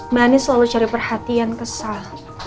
mbak anies selalu cari perhatian kesal